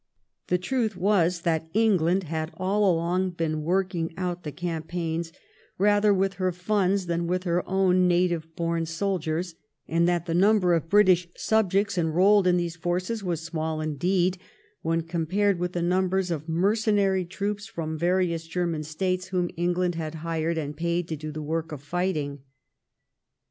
The truth was that England had all along been working out the campaigns rather with her funds than with her own native born soldiers, and that the number ol British subjects enrolled in these forces was small indeed, when compared with the numbers of mer cenary troops from various German States whom England had hired and paid to do the work of fighting.